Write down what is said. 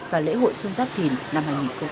và lễ hội xuân giáp thìn năm hai nghìn hai mươi bốn